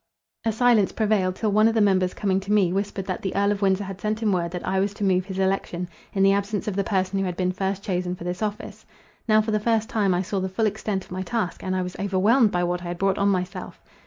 A silence prevailed, till one of the members coming to me, whispered that the Earl of Windsor had sent him word that I was to move his election, in the absence of the person who had been first chosen for this office. Now for the first time I saw the full extent of my task, and I was overwhelmed by what I had brought on myself.